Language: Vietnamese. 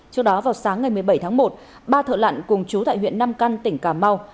trước đó vào sáng ngày một mươi bảy tháng một ba thợ lặn cùng chú tại huyện nam căn tỉnh cà mau